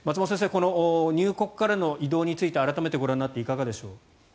この入国からの移動についてご覧になって改めていかがでしょう？